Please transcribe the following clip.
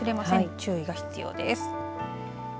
注意が必要です。